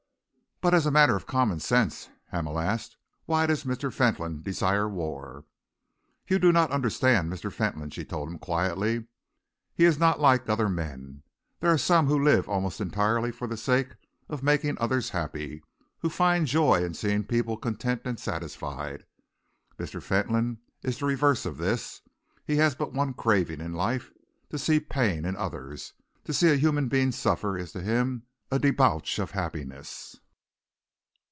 "But as a matter of common sense," Hamel asked, "why does Mr. Fentolin desire war?" "You do not understand Mr. Fentolin," she told him quietly. "He is not like other men. There are some who live almost entirely for the sake of making others happy, who find joy in seeing people content and satisfied. Mr. Fentolin is the reverse of this. He has but one craving in life: to see pain in others. To see a human being suffer is to him a debauch of happiness.